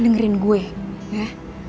dengerin gue ya